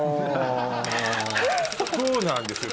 そうなんですよ